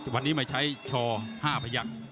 วันนี้มาใช้ชอ๕พยักษ์